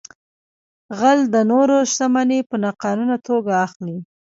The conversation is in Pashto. غل د نورو شتمنۍ په ناقانونه توګه اخلي